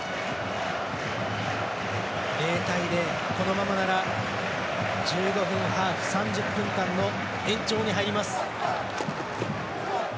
０対０、このままなら１５分ハーフ、３０分間の延長に入ります。